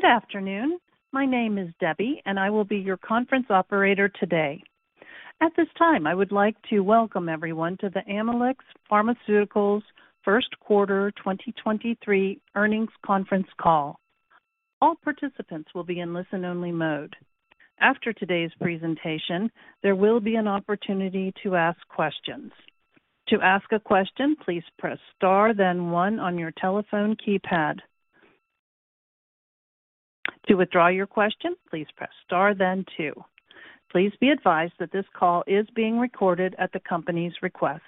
Good afternoon. My name is Debbie. I will be your conference operator today. At this time, I would like to welcome everyone to the Amylyx Pharmaceuticals first quarter 2023 earnings conference call. All participants will be in listen-only mode. After today's presentation, there will be an opportunity to ask questions. To ask a question, please press star, then one on your telephone keypad. To withdraw your question, please press star, then two. Please be advised that this call is being recorded at the company's request.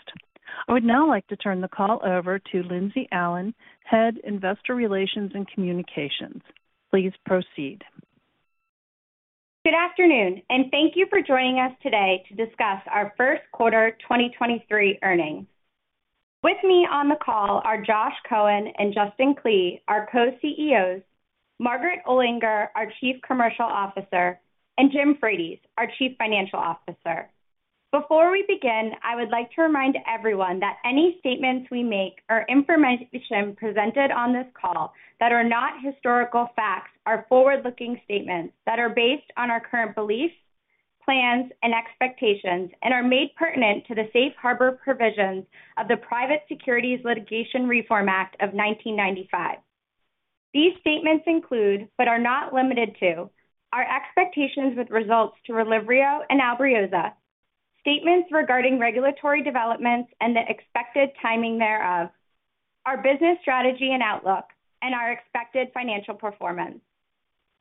I would now like to turn the call over to Lindsey Allen, Head, Investor Relations and Communications. Please proceed. Good afternoon, and thank you for joining us today to discuss our first quarter 2023 earnings. With me on the call are Josh Cohen and Justin Klee, our Co-CEOs, Margaret Olinger, our Chief Commercial Officer, and Jim Frates, our Chief Financial Officer. Before we begin, I would like to remind everyone that any statements we make or information presented on this call that are not historical facts are forward-looking statements that are based on our current beliefs, plans, and expectations and are made pertinent to the Safe Harbor provisions of the Private Securities Litigation Reform Act of 1995. These statements include, but are not limited to, our expectations with results to RELYVRIO and ALBRIOZA, statements regarding regulatory developments and the expected timing thereof, our business strategy and outlook, and our expected financial performance.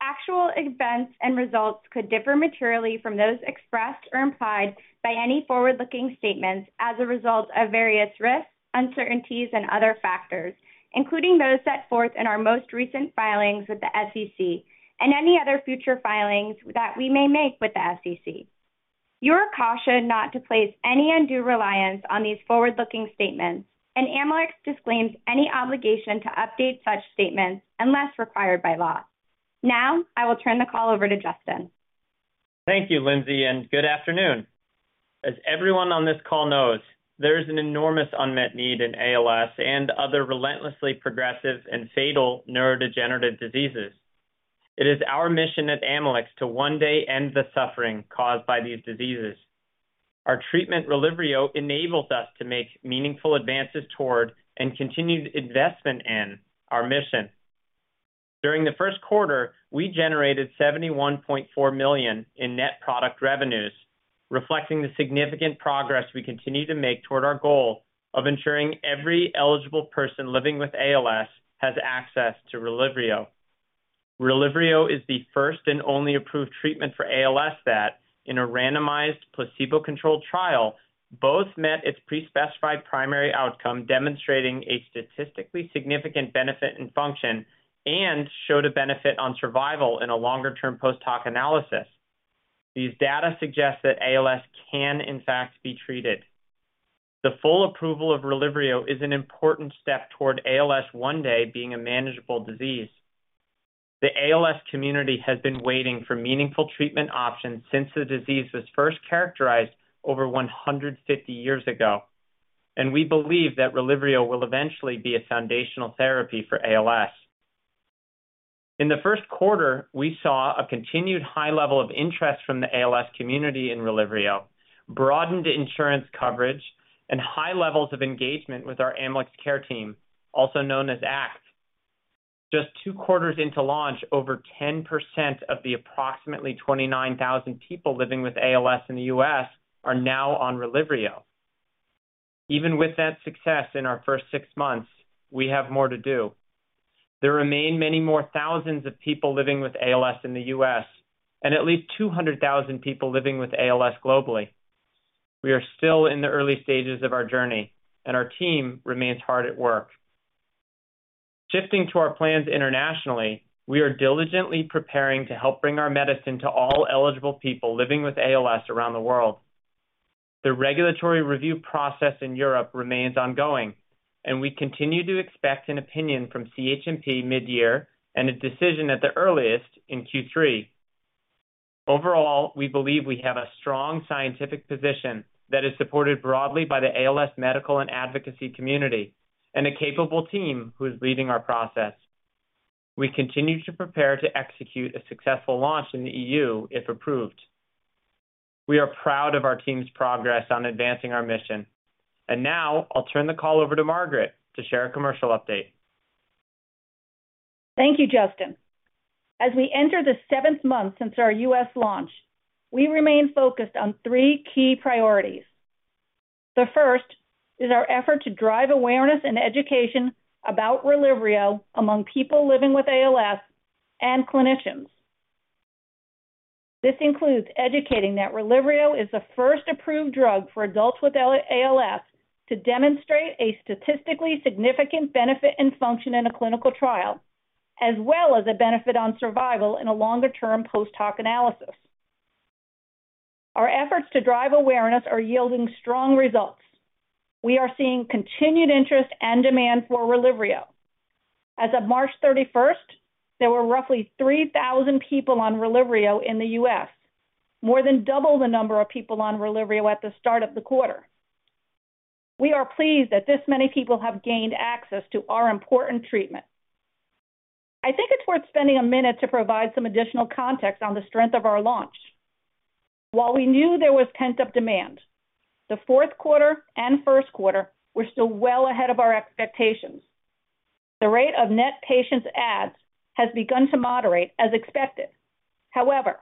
Actual events and results could differ materially from those expressed or implied by any forward-looking statements as a result of various risks, uncertainties, and other factors, including those set forth in our most recent filings with the SEC and any other future filings that we may make with the SEC. You are cautioned not to place any undue reliance on these forward-looking statements, and Amylyx disclaims any obligation to update such statements unless required by law. I will turn the call over to Justin. Thank you, Lindsey, and good afternoon. As everyone on this call knows, there is an enormous unmet need in ALS and other relentlessly progressive and fatal neurodegenerative diseases. It is our mission at Amylyx to one day end the suffering caused by these diseases. Our treatment, RELYVRIO, enables us to make meaningful advances toward and continued investment in our mission. During the first quarter, we generated $71.4 million in net product revenues, reflecting the significant progress we continue to make toward our goal of ensuring every eligible person living with ALS has access to RELYVRIO. RELYVRIO is the first and only approved treatment for ALS that in a randomized placebo-controlled trial, both met its pre-specified primary outcome, demonstrating a statistically significant benefit in function, and showed a benefit on survival in a longer-term post-hoc analysis. These data suggest that ALS can in fact be treated. The full approval of RELYVRIO is an important step toward ALS one day being a manageable disease. The ALS community has been waiting for meaningful treatment options since the disease was first characterized over 150 years ago, and we believe that RELYVRIO will eventually be a foundational therapy for ALS. In the first quarter, we saw a continued high level of interest from the ALS community in RELYVRIO, broadened insurance coverage, and high levels of engagement with our Amylyx Care Team, also known as ACT. Just two quarters into launch, over 10% of the approximately 29,000 people living with ALS in the U.S. are now on RELYVRIO. Even with that success in our first six months, we have more to do. There remain many more thousands of people living with ALS in the U.S. and at least 200,000 people living with ALS globally. We are still in the early stages of our journey, and our team remains hard at work. Shifting to our plans internationally, we are diligently preparing to help bring our medicine to all eligible people living with ALS around the world. The regulatory review process in Europe remains ongoing, and we continue to expect an opinion from CHMP mid-year and a decision at the earliest in Q3. Overall, we believe we have a strong scientific position that is supported broadly by the ALS medical and advocacy community and a capable team who is leading our process. We continue to prepare to execute a successful launch in the E.U. if approved. We are proud of our team's progress on advancing our mission. Now I'll turn the call over to Margaret to share a commercial update. Thank you, Justin. As we enter the seventh month since our U.S. launch, we remain focused on three key priorities. The first is our effort to drive awareness and education about RELYVRIO among people living with ALS and clinicians. This includes educating that RELYVRIO is the first approved drug for adults with ALS to demonstrate a statistically significant benefit in function in a clinical trial, as well as a benefit on survival in a longer-term post-hoc analysis. Our efforts to drive awareness are yielding strong results. We are seeing continued interest and demand for RELYVRIO. As of March 31st, there were roughly 3,000 people on RELYVRIO in the U.S., more than double the number of people on RELYVRIO at the start of the quarter. We are pleased that this many people have gained access to our important treatment. I think it's worth spending a minute to provide some additional context on the strength of our launch. While we knew there was pent-up demand, the fourth quarter and first quarter were still well ahead of our expectations. The rate of net patients adds has begun to moderate as expected. However,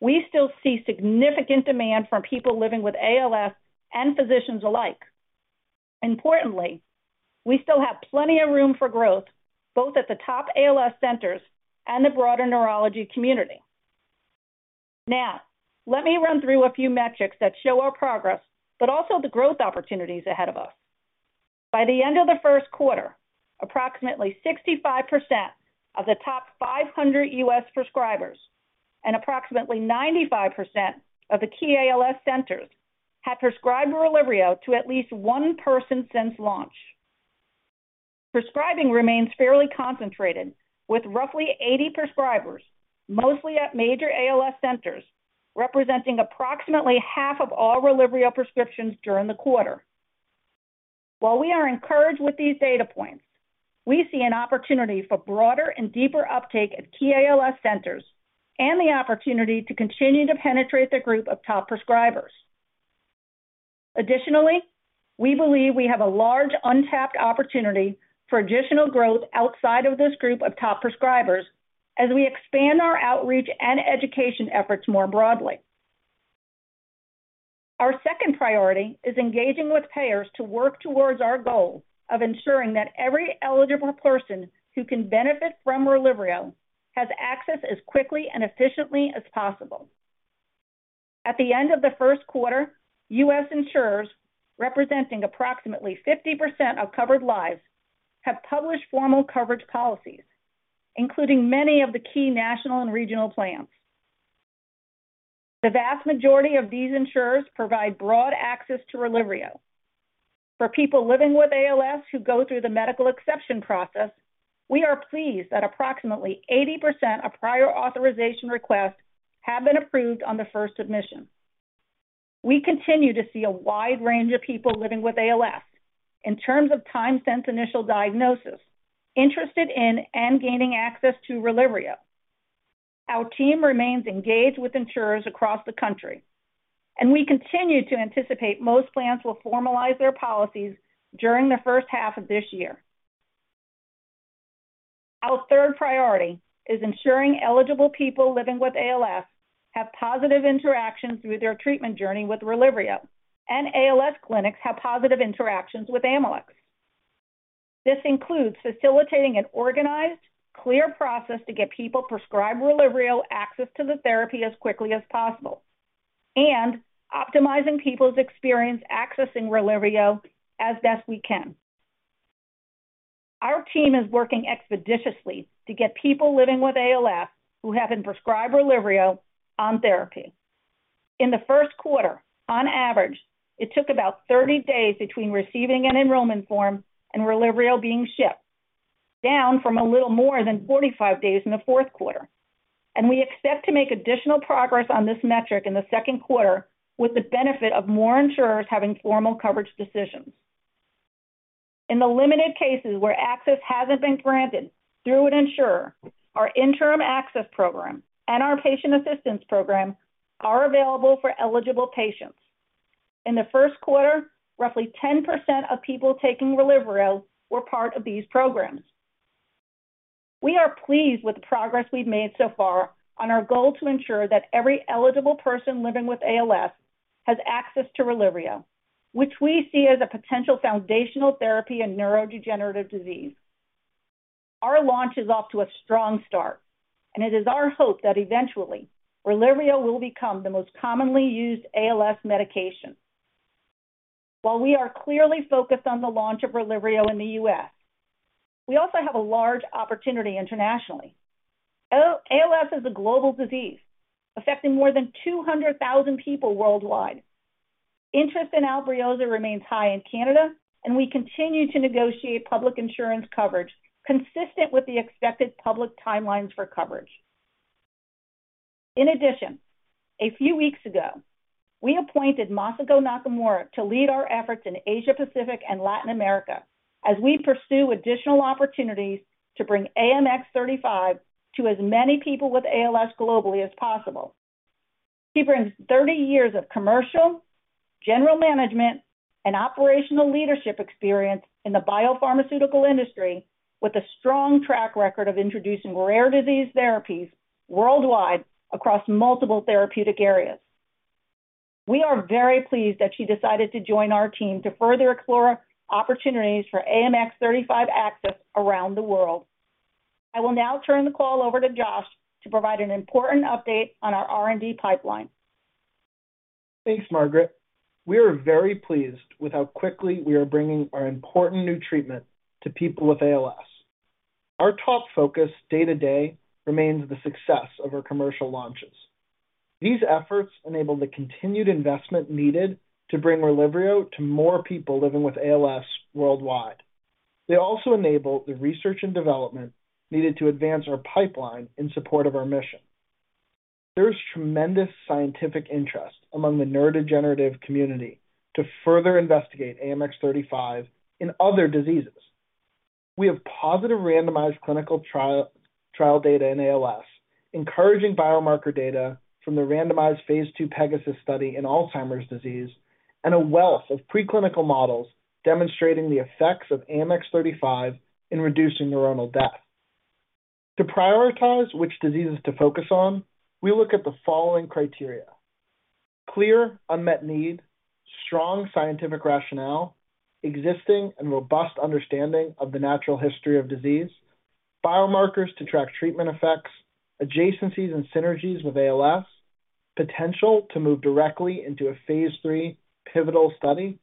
we still see significant demand from people living with ALS and physicians alike. Importantly, we still have plenty of room for growth, both at the top ALS centers and the broader neurology community. Let me run through a few metrics that show our progress, but also the growth opportunities ahead of us. By the end of the first quarter, approximately 65% of the top 500 U.S. prescribers and approximately 95% of the key ALS centers had prescribed RELYVRIO to at least one person since launch. Prescribing remains fairly concentrated, with roughly 80 prescribers, mostly at major ALS centers, representing approximately half of all RELYVRIO prescriptions during the quarter. While we are encouraged with these data points, we see an opportunity for broader and deeper uptake at key ALS centers and the opportunity to continue to penetrate the group of top prescribers. We believe we have a large untapped opportunity for additional growth outside of this group of top prescribers as we expand our outreach and education efforts more broadly. Our second priority is engaging with payers to work towards our goal of ensuring that every eligible person who can benefit from RELYVRIO has access as quickly and efficiently as possible. At the end of the first quarter, U.S. insurers representing approximately 50% of covered lives have published formal coverage policies, including many of the key national and regional plans. The vast majority of these insurers provide broad access to RELYVRIO. For people living with ALS who go through the medical exception process, we are pleased that approximately 80% of prior authorization requests have been approved on the first admission. We continue to see a wide range of people living with ALS in terms of time since initial diagnosis, interested in and gaining access to RELYVRIO. Our team remains engaged with insurers across the country, and we continue to anticipate most plans will formalize their policies during the first half of this year. Our third priority is ensuring eligible people living with ALS have positive interactions through their treatment journey with RELYVRIO, and ALS clinics have positive interactions with Amylyx. This includes facilitating an organized, clear process to get people prescribed RELYVRIO access to the therapy as quickly as possible and optimizing people's experience accessing RELYVRIO as best we can. Our team is working expeditiously to get people living with ALS who have been prescribed RELYVRIO on therapy. In the first quarter, on average, it took about 30 days between receiving an enrollment form and RELYVRIO being shipped, down from a little more than 45 days in the fourth quarter. We expect to make additional progress on this metric in the second quarter with the benefit of more insurers having formal coverage decisions. In the limited cases where access hasn't been granted through an insurer, our interim access program and our patient assistance program are available for eligible patients. In the first quarter, roughly 10% of people taking RELYVRIO were part of these programs. We are pleased with the progress we've made so far on our goal to ensure that every eligible person living with ALS has access to RELYVRIO, which we see as a potential foundational therapy in neurodegenerative disease. Our launch is off to a strong start, and it is our hope that eventually RELYVRIO will become the most commonly used ALS medication. We are clearly focused on the launch of RELYVRIO in the U.S., we also have a large opportunity internationally. ALS is a global disease affecting more than 200,000 people worldwide. Interest in ALBRIOZA remains high in Canada, and we continue to negotiate public insurance coverage consistent with the expected public timelines for coverage. In addition, a few weeks ago, we appointed Masako Nakamura to lead our efforts in Asia-Pacific and Latin America as we pursue additional opportunities to bring AMX0035 to as many people with ALS globally as possible. She brings 30 years of commercial, general management, and operational leadership experience in the biopharmaceutical industry with a strong track record of introducing rare disease therapies worldwide across multiple therapeutic areas. We are very pleased that she decided to join our team to further explore opportunities for AMX0035 access around the world. I will now turn the call over to Josh to provide an important update on our R&D pipeline. Thanks, Margaret. We are very pleased with how quickly we are bringing our important new treatment to people with ALS. Our top focus day-to-day remains the success of our commercial launches. These efforts enable the continued investment needed to bring RELYVRIO to more people living with ALS worldwide. They also enable the research and development needed to advance our pipeline in support of our mission. There's tremendous scientific interest among the neurodegenerative community to further investigate AMX0035 in other diseases. We have positive randomized clinical trial data in ALS, encouraging biomarker data from the randomized phase II PEGASUS study in Alzheimer's disease, and a wealth of preclinical models demonstrating the effects of AMX0035 in reducing neuronal death. To prioritize which diseases to focus on, we look at the following criteria: Clear unmet need, strong scientific rationale, existing and robust understanding of the natural history of disease, biomarkers to track treatment effects, adjacencies and synergies with ALS, potential to move directly into a phase III pivotal study,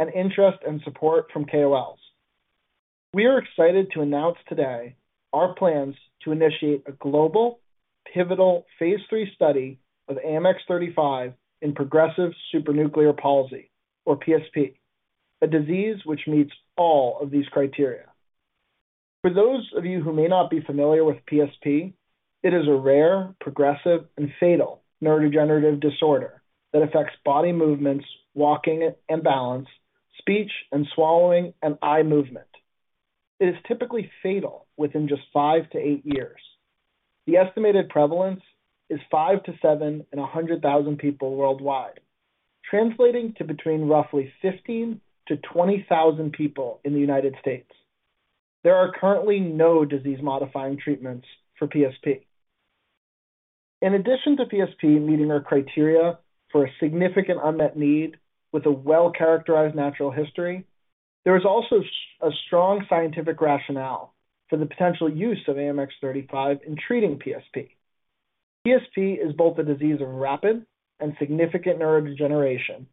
and interest and support from KOLs. We are excited to announce today our plans to initiate a global pivotal phase III study of AMX0035 in Progressive Supranuclear Palsy, or PSP, a disease which meets all of these criteria. For those of you who may not be familiar with PSP, it is a rare, progressive, and fatal neurodegenerative disorder that affects body movements, walking and balance, speech and swallowing, and eye movement. It is typically fatal within just five to eight years. The estimated prevalence is five to seven in 100,000 people worldwide, translating to between roughly 15,000 to 20,000 people in the United States. There are currently no disease modifying treatments for PSP. In addition to PSP meeting our criteria for a significant unmet need with a well-characterized natural history, there is also a strong scientific rationale for the potential use of AMX0035 in treating PSP. PSP is both a disease of rapid and significant neurodegeneration,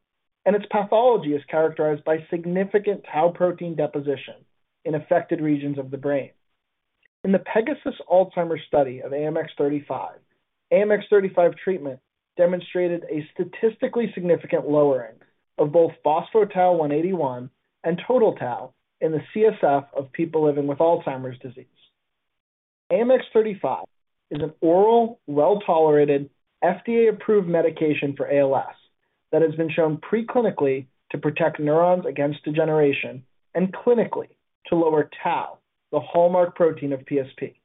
and its pathology is characterized by significant tau protein deposition in affected regions of the brain. In the PEGASUS Alzheimer's study of AMX0035 treatment demonstrated a statistically significant lowering of both phospho-tau 181 and total tau in the CSF of people living with Alzheimer's disease. AMX0035 is an oral, well-tolerated, FDA-approved medication for ALS that has been shown pre-clinically to protect neurons against degeneration and clinically to lower tau, the hallmark protein of PSP.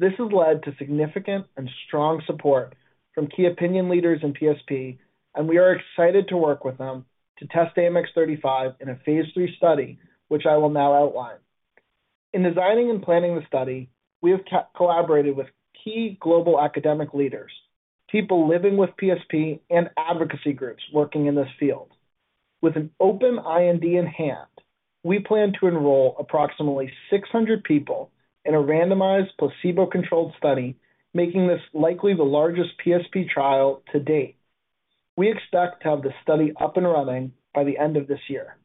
This has led to significant and strong support from key opinion leaders in PSP, and we are excited to work with them to test AMX0035 in a phase III study, which I will now outline. In designing and planning the study, we have collaborated with key global academic leaders, people living with PSP, and advocacy groups working in this field. With an open IND in hand, we plan to enroll approximately 600 people in a randomized placebo-controlled study, making this likely the largest PSP trial to date. We expect to have the study up and running by the end of this year.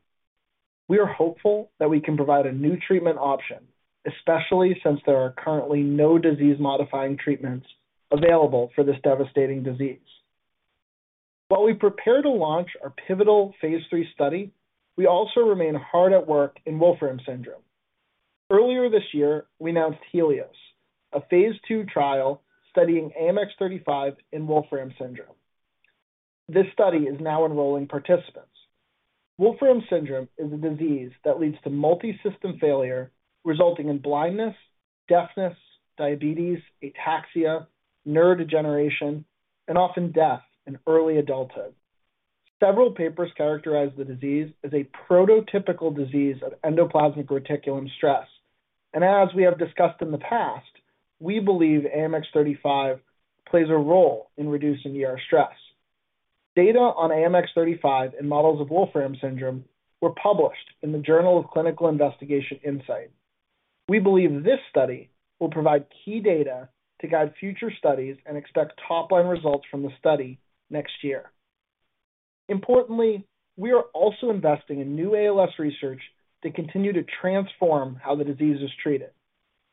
We are hopeful that we can provide a new treatment option, especially since there are currently no disease modifying treatments available for this devastating disease. While we prepare to launch our pivotal phase III study, we also remain hard at work in Wolfram syndrome. Earlier this year, we announced HELIOS, a phase II trial studying AMX0035 in Wolfram syndrome. This study is now enrolling participants. Wolfram syndrome is a disease that leads to multi-system failure, resulting in blindness, deafness, diabetes, ataxia, neurodegeneration, and often death in early adulthood. Several papers characterize the disease as a prototypical disease of endoplasmic reticulum stress. As we have discussed in the past, we believe AMX0035 plays a role in reducing ER stress. Data on AMX0035 in models of Wolfram syndrome were published in Journal Clinical Investigation Insight. We believe this study will provide key data to guide future studies and expect top line results from the study next year. Importantly, we are also investing in new ALS research to continue to transform how the disease is treated.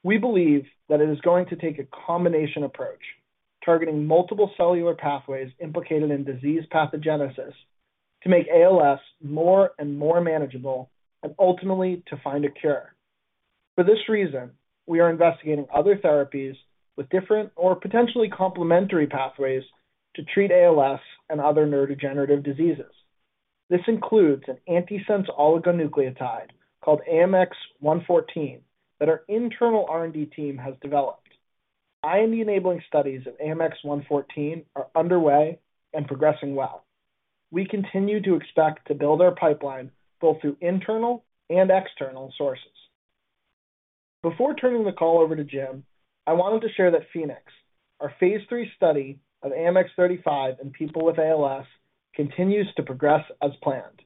We believe that it is going to take a combination approach, targeting multiple cellular pathways implicated in disease pathogenesis to make ALS more and more manageable, and ultimately to find a cure. For this reason, we are investigating other therapies with different or potentially complementary pathways to treat ALS and other neurodegenerative diseases. This includes an antisense oligonucleotide called AMX0114 that our internal R&D team has developed. IND enabling studies of AMX0114 are underway and progressing well. We continue to expect to build our pipeline both through internal and external sources. Before turning the call over to Jim, I wanted to share that PHOENIX, our Phase III study of AMX0035 in people with ALS, continues to progress as planned.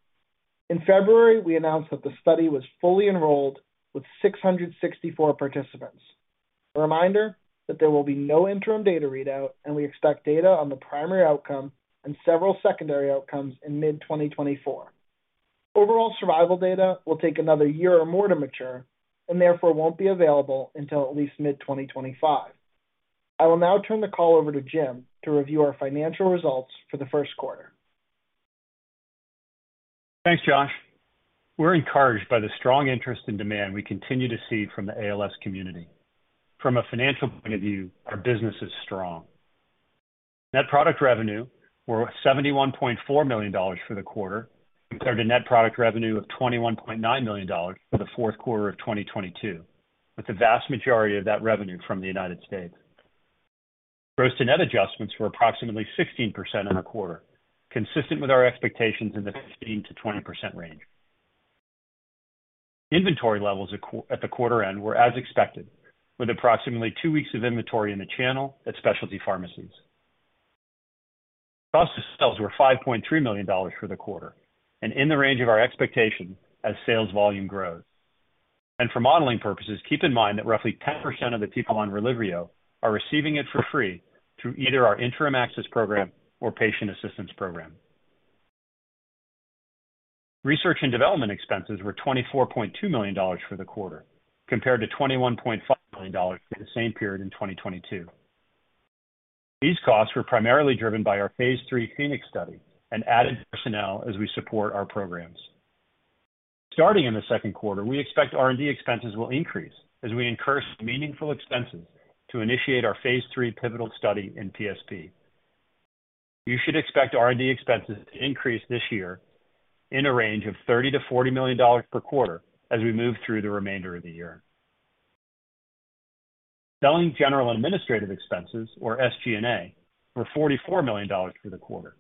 In February, we announced that the study was fully enrolled with 664 participants. A reminder that there will be no interim data readout, and we expect data on the primary outcome and several secondary outcomes in mid 2024. Overall survival data will take another year or more to mature, and therefore won't be available until at least mid 2025. I will now turn the call over to Jim to review our financial results for the first quarter. Thanks, Josh. We're encouraged by the strong interest and demand we continue to see from the ALS community. From a financial point of view, our business is strong. Net product revenue were $71.4 million for the quarter, compared to net product revenue of $21.9 million for the fourth quarter of 2022, with the vast majority of that revenue from the United States. Gross to net adjustments were approximately 16% in the quarter, consistent with our expectations in the 15%-20% range. Inventory levels at the quarter end were as expected, with approximately two weeks of inventory in the channel at specialty pharmacies. Cost of sales were $5.3 million for the quarter and in the range of our expectation as sales volume grows. For modeling purposes, keep in mind that roughly 10% of the people on RELYVRIO are receiving it for free through either our interim access program or patient assistance program. Research and development expenses were $24.2 million for the quarter, compared to $21.5 million for the same period in 2022. These costs were primarily driven by our phase III PHOENIX study and added personnel as we support our programs. Starting in the second quarter, we expect R&D expenses will increase as we incur meaningful expenses to initiate our phase III pivotal study in PSP. You should expect R&D expenses to increase this year in a range of $30 million-$40 million per quarter as we move through the remainder of the year. Selling general administrative expenses, or SG&A, were $44 million for the quarter,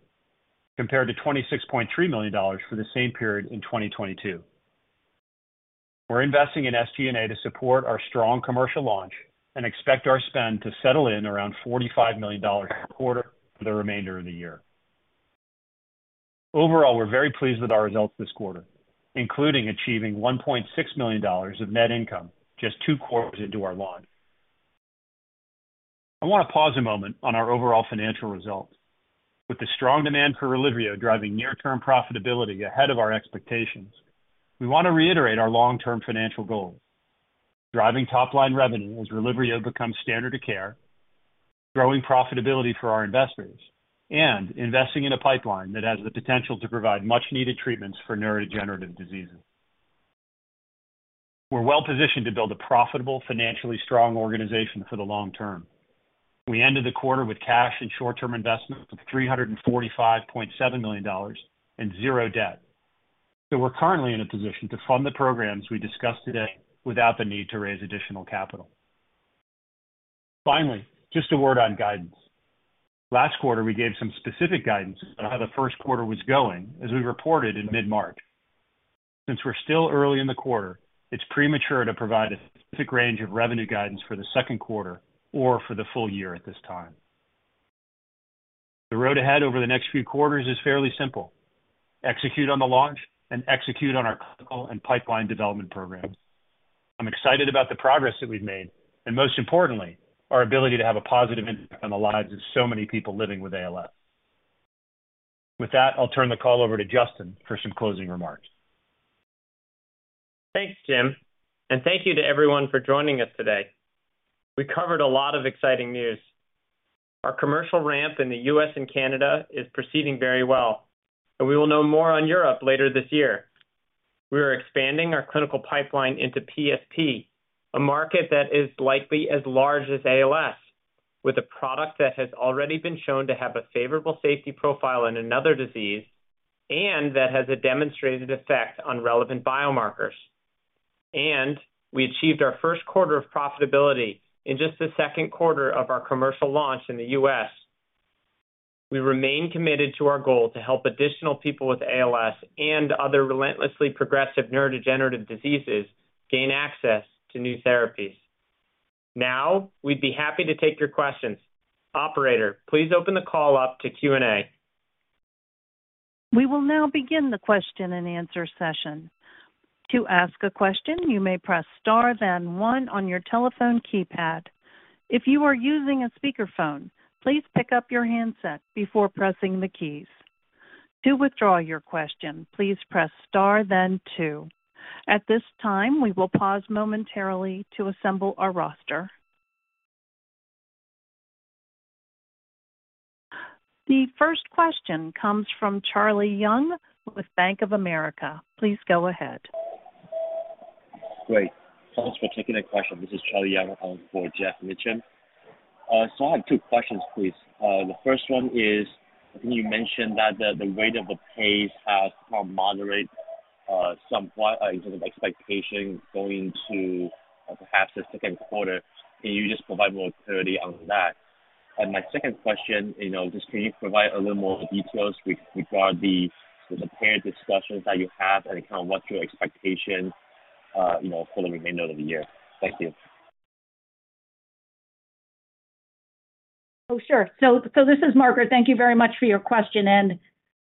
compared to $26.3 million for the same period in 2022. We're investing in SG&A to support our strong commercial launch and expect our spend to settle in around $45 million per quarter for the remainder of the year. Overall, we're very pleased with our results this quarter, including achieving $1.6 million of net income just two quarters into our launch. I want to pause a moment on our overall financial results. With the strong demand for RELYVRIO driving near-term profitability ahead of our expectations, we want to reiterate our long-term financial goals. Driving top-line revenue as RELYVRIO becomes standard of care, growing profitability for our investors, and investing in a pipeline that has the potential to provide much-needed treatments for neurodegenerative diseases. We're well-positioned to build a profitable, financially strong organization for the long term. We ended the quarter with cash and short-term investments of $345.7 million and zero debt. We're currently in a position to fund the programs we discussed today without the need to raise additional capital. Finally, just a word on guidance. Last quarter, we gave some specific guidance about how the first quarter was going as we reported in mid-March. Since we're still early in the quarter, it's premature to provide a specific range of revenue guidance for the second quarter or for the full year at this time. The road ahead over the next few quarters is fairly simple. Execute on the launch and execute on our clinical and pipeline development programs. I'm excited about the progress that we've made and, most importantly, our ability to have a positive impact on the lives of so many people living with ALS. With that, I'll turn the call over to Justin for some closing remarks. Thanks, Jim. Thank you to everyone for joining us today. We covered a lot of exciting news. Our commercial ramp in the U.S. and Canada is proceeding very well, and we will know more on Europe later this year. We are expanding our clinical pipeline into PSP, a market that is likely as large as ALS, with a product that has already been shown to have a favorable safety profile in another disease and that has a demonstrated effect on relevant biomarkers. We achieved our first quarter of profitability in just the second quarter of our commercial launch in the U.S. We remain committed to our goal to help additional people with ALS and other relentlessly progressive neurodegenerative diseases gain access to new therapies. Now, we'd be happy to take your questions. Operator, please open the call up to Q&A. We will now begin the question-and-answer session. To ask a question, you may press star then one on your telephone keypad. If you are using a speakerphone, please pick up your handset before pressing the keys. To withdraw your question, please press star then two. At this time, we will pause momentarily to assemble our roster. The first question comes from Charlie Young with Bank of America. Please go ahead. Great. Thanks for taking the question. This is Charlie Young for Geoff Meacham. I have two questions, please. The first one is, you mentioned that the rate of the pace has moderate somewhat in terms of expectation going into perhaps the second quarter. Can you just provide more clarity on that? My second question, you know, just can you provide a little more details with regard the parent discussions that you have and kind of what's your expectation, you know, for the remainder of the year? Thank you. Oh, sure. This is Margaret. Thank you very much for your question.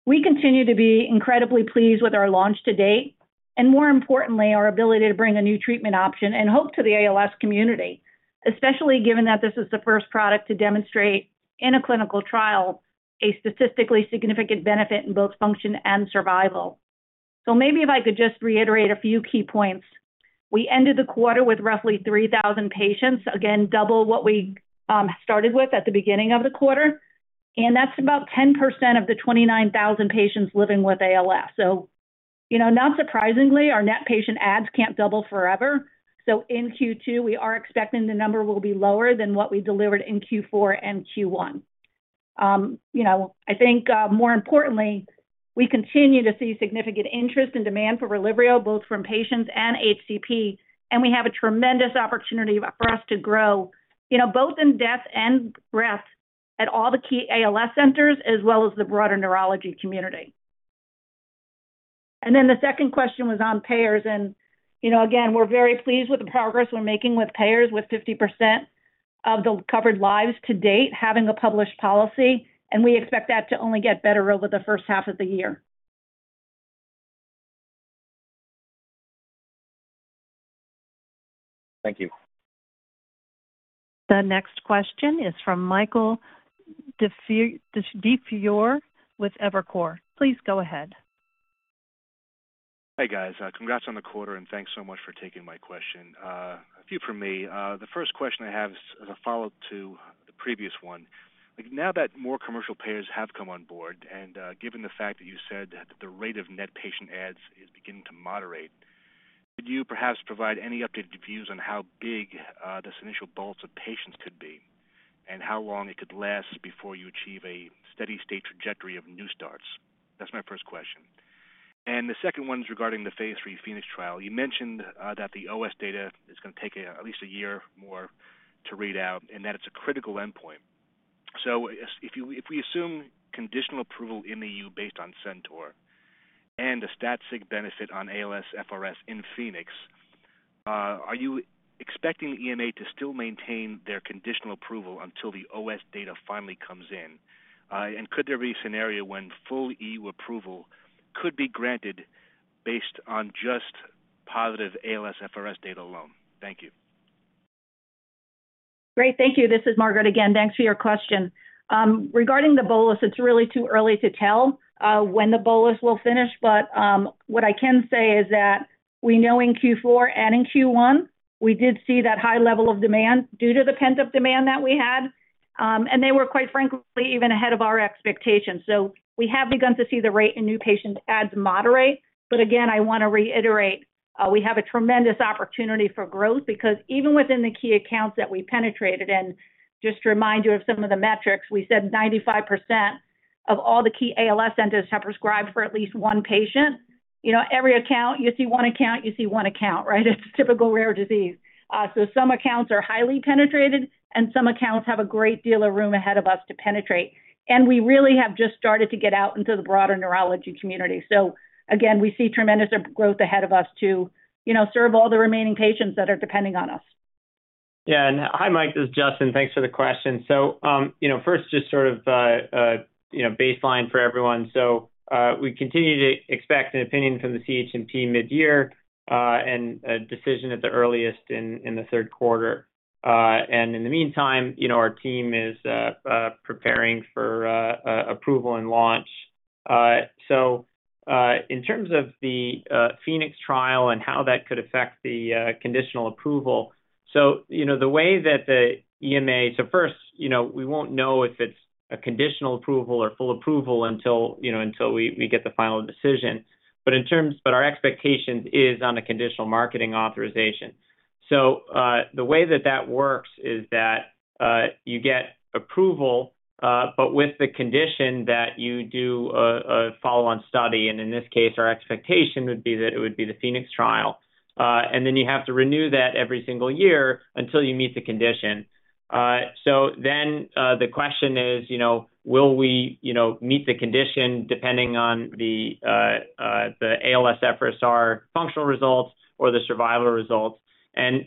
We continue to be incredibly pleased with our launch to date, and more importantly, our ability to bring a new treatment option and hope to the ALS community, especially given that this is the first product to demonstrate in a clinical trial a statistically significant benefit in both function and survival. Maybe if I could just reiterate a few key points. We ended the quarter with roughly 3,000 patients, again, double what we started with at the beginning of the quarter. That's about 10% of the 29,000 patients living with ALS. You know, not surprisingly, our net patient adds can't double forever. In Q2, we are expecting the number will be lower than what we delivered in Q4 and Q1. You know, I think more importantly, we continue to see significant interest and demand for RELYVRIO, both from patients and HCP, and we have a tremendous opportunity for us to grow, you know, both in depth and breadth at all the key ALS centers as well as the broader neurology community. The second question was on payers, and you know, again, we're very pleased with the progress we're making with payers with 50% of the covered lives to date having a published policy, and we expect that to only get better over the first half of the year. Thank you. The next question is from Michael DiFiore with Evercore. Please go ahead. Hey, guys. Congrats on the quarter, and thanks so much for taking my question. A few from me. The first question I have is a follow-up to the previous one. Now that more commercial payers have come on board, and given the fact that you said that the rate of net patient adds is beginning to moderate, could you perhaps provide any updated views on how big this initial bolus of patients could be? How long it could last before you achieve a steady-state trajectory of new starts? That's my first question. The second one is regarding the phase III PHOENIX trial. You mentioned that the OS data is gonna take at least a year or more to read out and that it's a critical endpoint. If you, if we assume conditional approval in the E.U. based on CENTAUR and the, are you expecting EMA to still maintain their conditional approval until the OS data finally comes in? Could there be a scenario when full E.U. approval could be granted based on just positive ALSFRS-R data alone? Thank you. Great. Thank you. This is Margaret again. Thanks for your question. Regarding the bolus, it's really too early to tell when the bolus will finish. What I can say is that we know in Q4 and in Q1, we did see that high level of demand due to the pent-up demand that we had. They were, quite frankly, even ahead of our expectations. We have begun to see the rate in new patient adds moderate. Again, I wanna reiterate, we have a tremendous opportunity for growth because even within the key accounts that we penetrated, and just to remind you of some of the metrics, we said 95% of all the key ALS centers have prescribed for at least one patient. You know, every account, you see one account, right? It's typical rare disease. Some accounts are highly penetrated, and some accounts have a great deal of room ahead of us to penetrate. We really have just started to get out into the broader neurology community. Again, we see tremendous growth ahead of us to, you know, serve all the remaining patients that are depending on us. Hi, Mike. This is Justin. Thanks for the question. You know, first just sort of the, you know, baseline for everyone. We continue to expect an opinion from the CHMP mid-year and a decision at the earliest in the third quarter. In the meantime, you know, our team is preparing for approval and launch. In terms of the PHOENIX trial and how that could affect the conditional approval. You know, the way that the EMA. First, you know, we won't know if it's a conditional approval or full approval until, you know, until we get the final decision. But our expectations is on a conditional marketing authorization. The way that that works is that you get approval, but with the condition that you do a follow-on study, and in this case, our expectation would be that it would be the PHOENIX trial. You have to renew that every single year until you meet the condition. The question is, you know, will we, you know, meet the condition depending on the ALSFRS-R functional results or the survival results?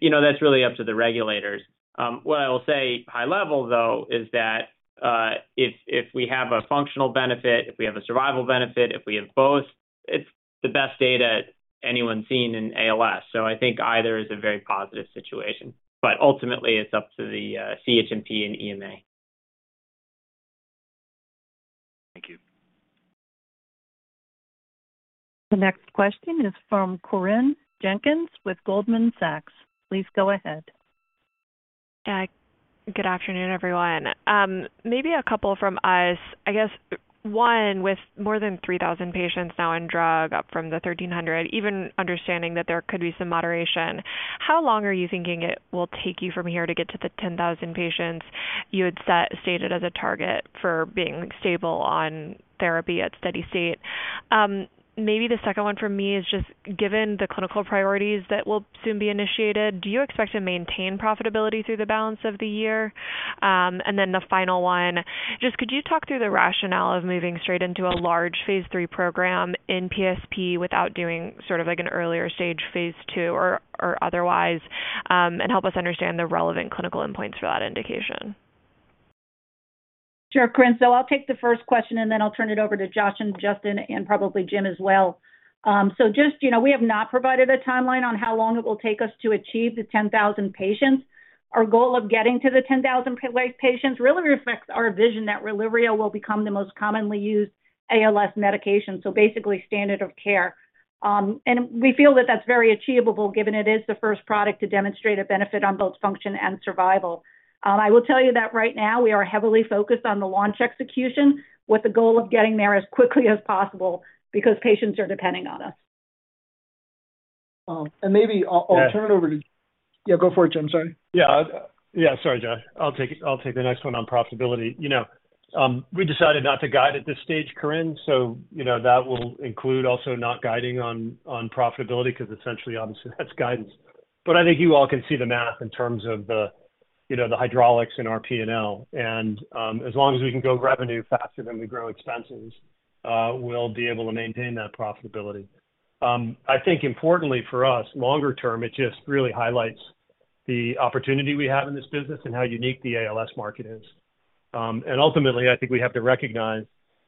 You know, that's really up to the regulators. What I will say high level, though, is that if we have a functional benefit, if we have a survival benefit, if we have both, it's the best data anyone's seen in ALS. I think either is a very positive situation. Ultimately, it's up to the CHMP and EMA. Thank you. The next question is from Corinne Jenkins with Goldman Sachs. Please go ahead. Hi. Good afternoon, everyone. Maybe a couple from us. I guess one, with more than 3,000 patients now on drug, up from the 1,300, even understanding that there could be some moderation, how long are you thinking it will take you from here to get to the 10,000 patients you had stated as a target for being stable on therapy at steady state? Maybe the second one for me is just given the clinical priorities that will soon be initiated, do you expect to maintain profitability through the balance of the year? The final one, just could you talk through the rationale of moving straight into a large phase III program in PSP without doing sort of like an earlier stage phase II or otherwise, and help us understand the relevant clinical endpoints for that indication? Sure, Corinne. I'll take the first question, and then I'll turn it over to Josh and Justin and probably Jim as well. Just, you know, we have not provided a timeline on how long it will take us to achieve the 10,000 patients. Our goal of getting to the 10,000 weighed patients really reflects our vision that RELYVRIO will become the most commonly used ALS medication, so basically standard of care. We feel that that's very achievable given it is the first product to demonstrate a benefit on both function and survival. I will tell you that right now we are heavily focused on the launch execution with the goal of getting there as quickly as possible because patients are depending on us. maybe I'll. Yeah. Turn it over to. Yeah, go for it, Jim. Sorry. Yeah. Yeah, sorry, Josh. I'll take the next one on profitability. You know, we decided not to guide at this stage, Corinne. You know, that will include also not guiding on profitability because essentially, obviously that's guidance. I think you all can see the math in terms of the, you know, the hydraulics in our P&L. As long as we can grow revenue faster than we grow expenses, we'll be able to maintain that profitability. I think importantly for us, longer term, it just really highlights the opportunity we have in this business and how unique the ALS market is. Ultimately, I think we have to recognize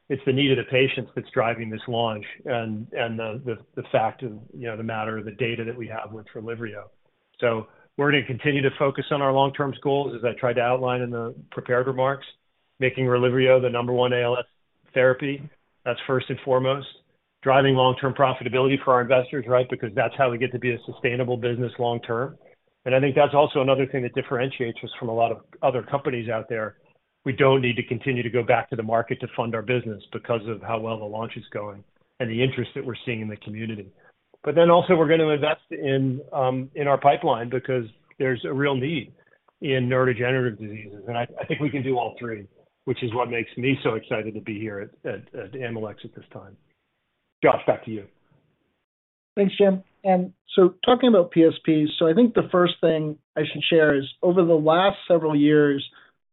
it's the need of the patients that's driving this launch and the fact of, you know, the matter of the data that we have with RELYVRIO. We're going to continue to focus on our long-term goals, as I tried to outline in the prepared remarks, making RELYVRIO the number one ALS therapy. That's first and foremost. Driving long-term profitability for our investors, right? That's how we get to be a sustainable business long term. I think that's also another thing that differentiates us from a lot of other companies out there. We don't need to continue to go back to the market to fund our business because of how well the launch is going and the interest that we're seeing in the community. Also we're going to invest in our pipeline because there's a real need in neurodegenerative diseases. I think we can do all three, which is what makes me so excited to be here at Amylyx at this time. Josh, back to you. Thanks, Jim. Talking about PSP, I think the first thing I should share is over the last several years,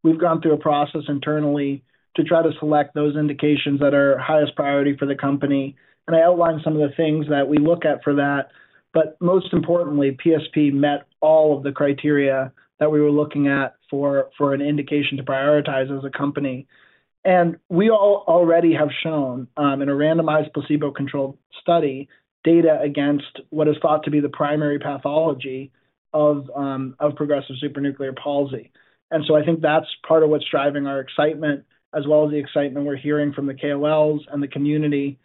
we've gone through a process internally to try to select those indications that are highest priority for the company. I outlined some of the things that we look at for that. Most importantly, PSP met all of the criteria that we were looking at for an indication to prioritize as a company. We already have shown in a randomized placebo-controlled study, data against what is thought to be the primary pathology of progressive supranuclear palsy. I think that's part of what's driving our excitement, as well as the excitement we're hearing from the KOLs and the community about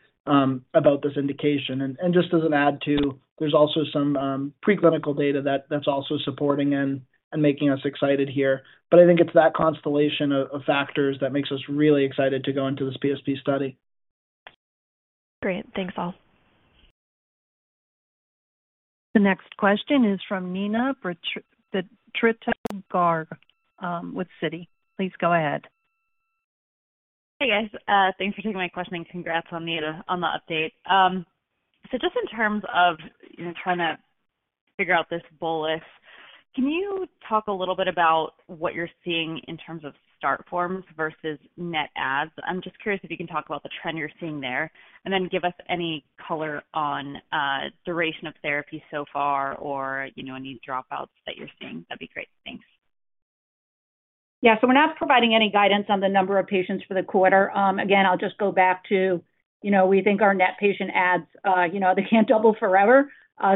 this indication. Just as an add too, there's also some preclinical data that's also supporting and making us excited here. I think it's that constellation of factors that makes us really excited to go into this PSP study. Great. Thanks, all. The next question is from Neena Bitritto-Garg with Citi. Please go ahead. Hey, guys. Thanks for taking my question, and congrats on the update. Just in terms of, you know, trying to figure out this bolus, can you talk a little bit about what you're seeing in terms of start forms versus net adds? I'm just curious if you can talk about the trend you're seeing there. Then give us any color on duration of therapy so far or, you know, any dropouts that you're seeing. That'd be great. Thanks. Yeah. We're not providing any guidance on the number of patients for the quarter. Again, I'll just go back to, you know, we think our net patient adds, you know, they can't double forever.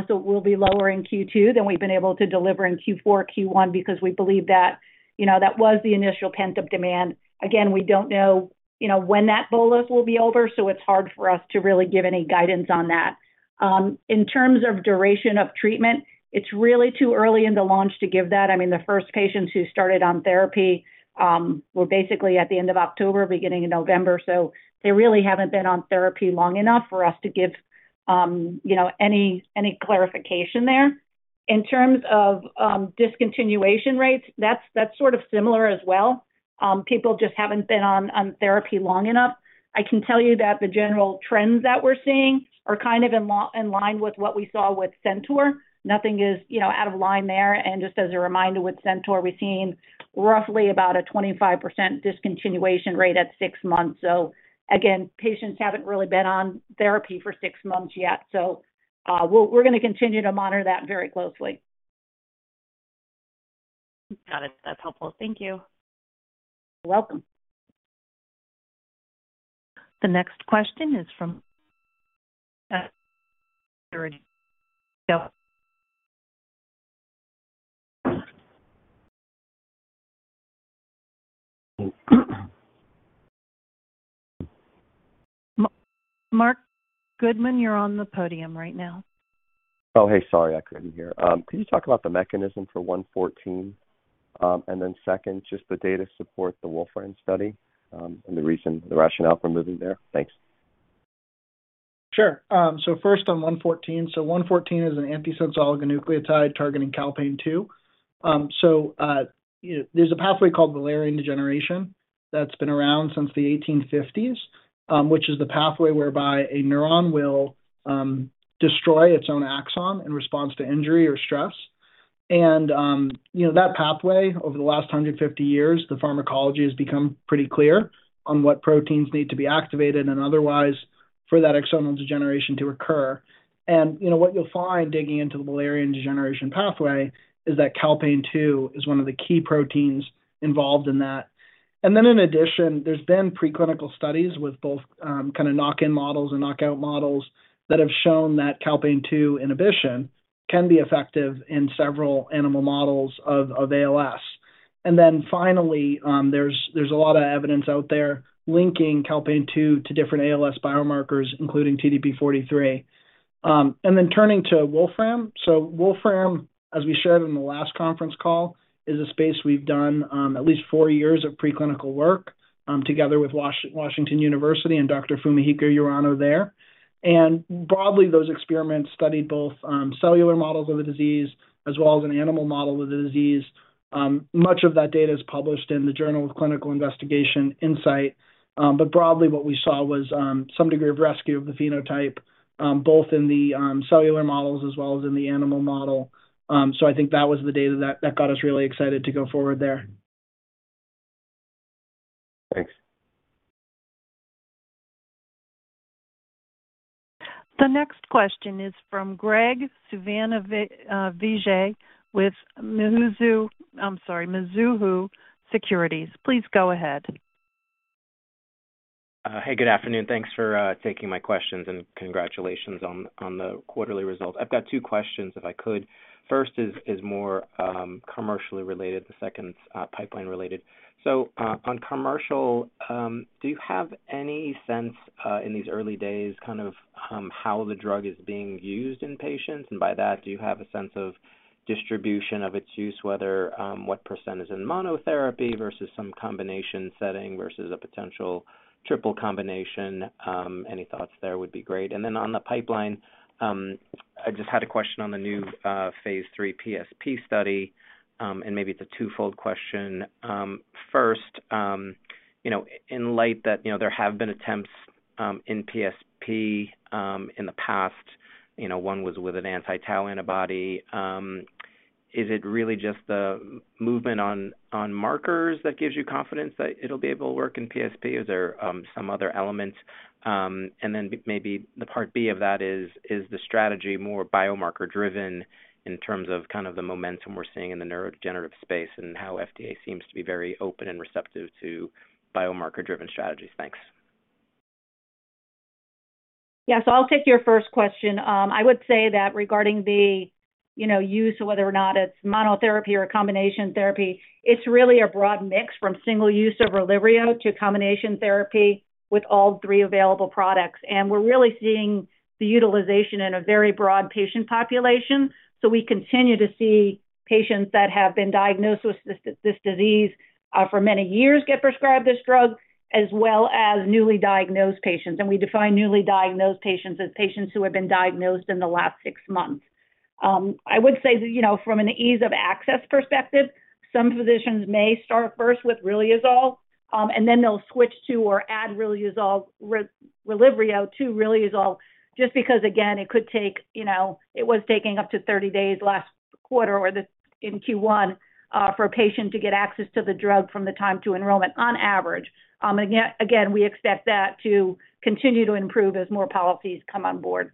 We'll be lower in Q2 than we've been able to deliver in Q4, Q1, because we believe that, you know, that was the initial pent-up demand. Again, we don't know, you know, when that bolus will be over, so it's hard for us to really give any guidance on that. In terms of duration of treatment, it's really too early in the launch to give that. I mean, the first patients who started on therapy, were basically at the end of October, beginning of November, so they really haven't been on therapy long enough for us to give, you know, any clarification there. In terms of discontinuation rates, that's sort of similar as well. People just haven't been on therapy long enough. I can tell you that the general trends that we're seeing are kind of in line with what we saw with CENTAUR. Nothing is, you know, out of line there. Just as a reminder, with CENTAUR, we're seeing roughly about a 25% discontinuation rate at six months. Again, patients haven't really been on therapy for six months yet. We're gonna continue to monitor that very closely. Got it. That's helpful. Thank you. You're welcome. The next question is from Marc Goodman, you're on the podium right now. Oh, hey, sorry. I couldn't hear. Can you talk about the mechanism for AMX0114? And then second, just the data support the Wolfram study, and the reason, the rationale for moving there? Thanks. Sure. First on AMX0114. AMX0114 is an Antisense Oligonucleotide Targeting Calpain-2. There's a pathway called Wallerian degeneration that's been around since the 1850s, which is the pathway whereby a neuron will destroy its own axon in response to injury or stress. You know, that pathway, over the last 150 years, the pharmacology has become pretty clear on what proteins need to be activated and otherwise for that axonal degeneration to occur. You know, what you'll find digging into the Wallerian degeneration pathway is that Calpain-2 is one of the key proteins involved in that. In addition, there's been preclinical studies with both, kinda knock-in models and knockout models that have shown that Calpain-2 inhibition can be effective in several animal models of ALS. Finally, there's a lot of evidence out there linking Calpain-2 to different ALS biomarkers, including TDP-43. Turning to Wolfram. Wolfram, as we shared in the last conference call, is a space we've done at least four years of preclinical work together with Washington University and Dr. Fumihiko Urano there. Broadly, those experiments studied both, cellular models of the disease as well as an animal model of the disease. Much of that data is published in Journal Clinical Investigation Insight. Broadly, what we saw was some degree of rescue of the phenotype, both in the cellular models as well as in the animal model. I think that was the data that got us really excited to go forward there. Thanks. The next question is from Graig Suvannavejh with Mizu... I'm sorry, Mizuho Securities. Please go ahead. Hey, good afternoon. Thanks for taking my questions and congratulations on the quarterly results. I've got two questions, if I could. First is more commercially related. The second's pipeline related. On commercial, do you have any sense in these early days kind of how the drug is being used in patients? By that, do you have a sense of distribution of its use, whether what percent is in monotherapy versus some combination setting versus a potential triple combination? Any thoughts there would be great. On the pipeline, I just had a question on the new phase III PSP study, maybe it's a twofold question. First, you know, in light that, you know, there have been attempts in PSP in the past, you know, one was with an anti-tau antibody, is it really just the movement on markers that gives you confidence that it'll be able to work in PSP? Is there some other elements? Maybe the part B of that is the strategy more biomarker driven in terms of kind of the momentum we're seeing in the neurodegenerative space and how FDA seems to be very open and receptive to biomarker-driven strategies? Thanks. Yeah. I'll take your first question. I would say that regarding the, you know, use of whether or not it's monotherapy or a combination therapy, it's really a broad mix from single use of RELYVRIO to combination therapy with all three available products. We're really seeing the utilization in a very broad patient population. We continue to see patients that have been diagnosed with this disease for many years, get prescribed this drug, as well as newly diagnosed patients. We define newly diagnosed patients as patients who have been diagnosed in the last six months. I would say that, you know, from an ease of access perspective, some physicians may start first with Riluzole, and then they'll switch to or add RELYVRIO to Riluzole just because again, it could take, you know, it was taking up to 30 days last quarter or in Q1, for a patient to get access to the drug from the time to enrollment on average. We expect that to continue to improve as more policies come on board.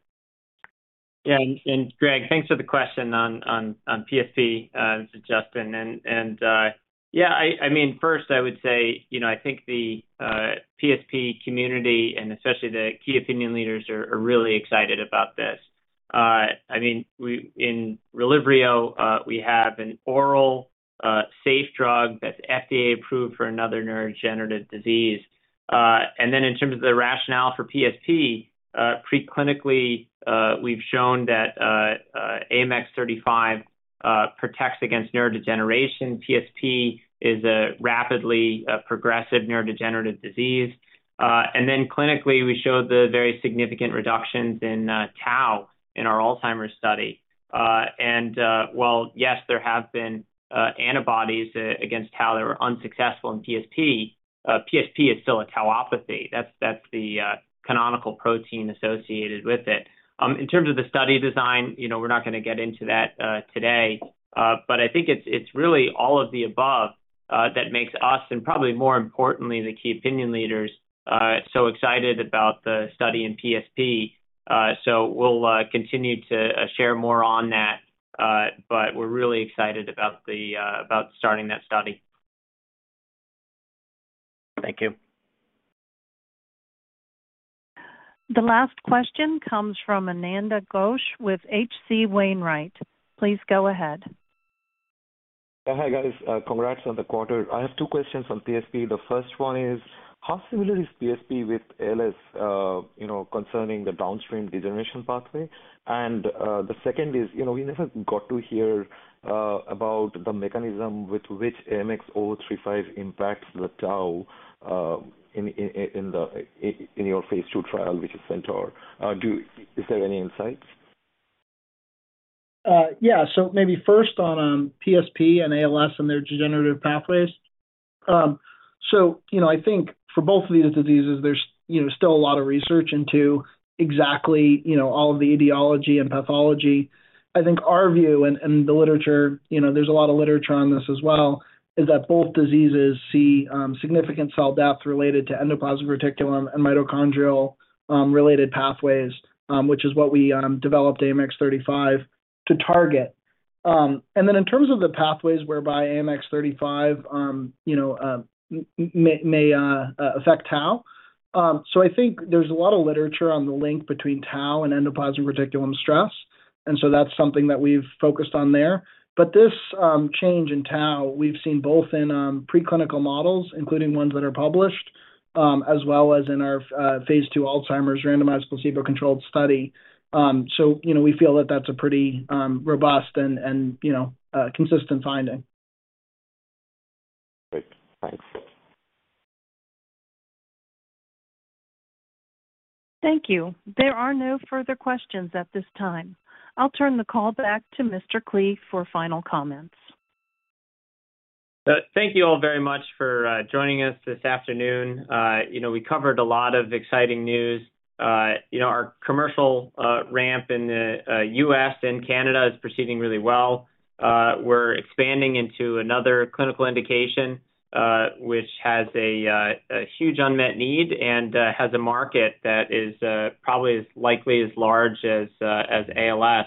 Yeah. Graig, thanks for the question on PSP. This is Justin. I mean, first I would say, you know, I think the PSP community and especially the key opinion leaders are really excited about this. I mean, in RELYVRIO, we have an oral, safe drug that's FDA approved for another neurodegenerative disease. In terms of the rationale for PSP, preclinically, we've shown that AMX0035 protects against neurodegeneration. PSP is a rapidly progressive neurodegenerative disease. Clinically, we showed the very significant reductions in tau in our Alzheimer's study. While yes, there have been antibodies against tau that were unsuccessful in PSP is still a tauopathy. That's the canonical protein associated with it. In terms of the study design, you know, we're not gonna get into that today. I think it's really all of the above that makes us and probably more importantly, the key opinion leaders so excited about the study in PSP. We'll continue to share more on that. We're really excited about starting that study. Thank you. The last question comes from Ananda Ghosh with H.C. Wainwright. Please go ahead. Hi guys. Congrats on the quarter. I have two questions on PSP. The first one is how similar is PSP with ALS, you know, concerning the downstream degeneration pathway? The second is, you know, we never got to hear about the mechanism with which AMX0035 impacts the tau in your phase II trial, which is CENTAUR. Is there any insight? Yeah. Maybe first on PSP and ALS and their degenerative pathways. You know, I think for both of these diseases, there's, you know, still a lot of research into exactly, you know, all of the etiology and pathology. I think our view and the literature, you know, there's a lot of literature on this as well, is that both diseases see significant cell death related to endoplasmic reticulum and mitochondrial related pathways. Which is what we developed AMX0035 to target. In terms of the pathways whereby AMX0035, you know, may affect tau, I think there's a lot of literature on the link between tau and endoplasmic reticulum stress. That's something that we've focused on there. This change in tau we've seen both in preclinical models, including ones that are published, as well as in our phase II Alzheimer's randomized placebo-controlled study. You know, we feel that that's a pretty robust and, you know, consistent finding. Great. Thanks. Thank you. There are no further questions at this time. I'll turn the call back to Mr. Klee for final comments. Thank you all very much for joining us this afternoon. You know, we covered a lot of exciting news. You know, our commercial ramp in the U.S. and Canada is proceeding really well. We're expanding into another clinical indication, which has a huge unmet need and has a market that is probably as likely as large as ALS.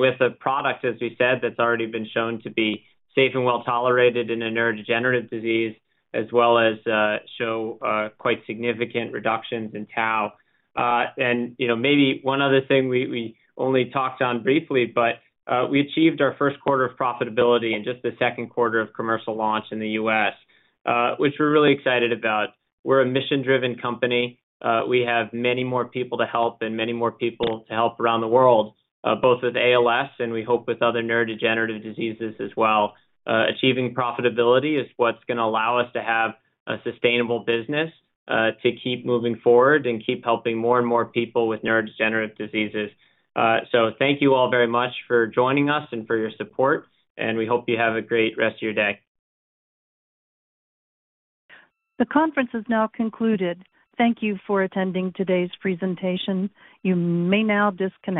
With a product, as we said, that's already been shown to be safe and well-tolerated in a neurodegenerative disease, as well as show quite significant reductions in tau. You know, maybe one other thing we only talked on briefly, but we achieved our first quarter of profitability in just the second quarter of commercial launch in the U.S., which we're really excited about. We're a mission-driven company. We have many more people to help and many more people to help around the world, both with ALS and we hope with other neurodegenerative diseases as well. Achieving profitability is what's gonna allow us to have a sustainable business, to keep moving forward and keep helping more and more people with neurodegenerative diseases. Thank you all very much for joining us and for your support, and we hope you have a great rest of your day. The conference is now concluded. Thank you for attending today's presentation. You may now disconnect.